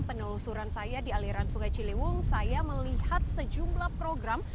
penelusuran saya dialiran sungai ciliwung saya melihat sejumlah program